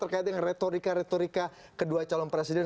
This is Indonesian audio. terkait dengan retorika retorika kedua calon presiden